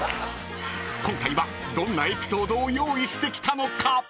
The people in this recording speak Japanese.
［今回はどんなエピソードを用意してきたのか］